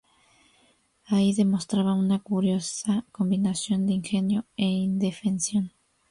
Ahí demostraba una curiosa combinación de ingenio e indefensión.